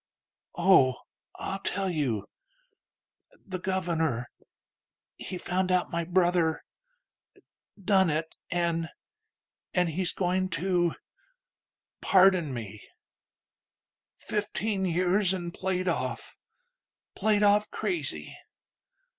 "Oh, ... I'll tell you: The governor ... he found out my brother ... done it ... an' ... an' he's goin' to ... pardon me.... Fifteen years, an' played off ... played off crazy....